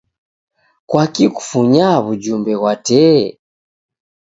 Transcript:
Kwaki kufunyaa w'ujumbe ghwa tee?